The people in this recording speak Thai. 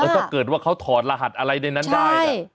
ถ้าเกิดว่าเขาถอดรหัสอะไรในนั้นได้